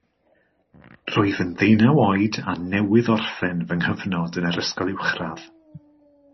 Rwyf yn ddeunaw oed a newydd orffen fy nghyfnod yn yr ysgol uwchradd